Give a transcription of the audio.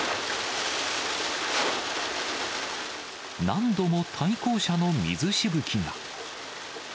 何度も対向車の水しぶきが。